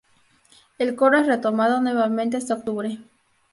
El coro es retomado nuevamente hasta Octubre.